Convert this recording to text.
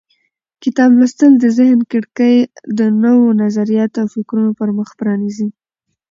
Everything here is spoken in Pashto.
کتاب لوستل د ذهن کړکۍ د نوو نظریاتو او فکرونو پر مخ پرانیزي.